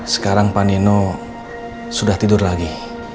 sekarang pak nino sudah tidur lagi